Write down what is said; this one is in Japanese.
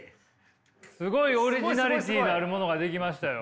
すごいオリジナリティーのあるものが出来ましたよ。